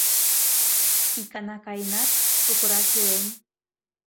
Икана каенат, шукырак илен.